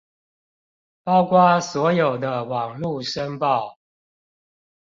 包括所有的網路申報